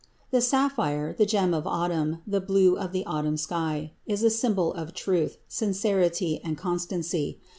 The sapphire—the gem of autumn, the blue of the autumn sky—is a symbol of truth, sincerity, and constancy.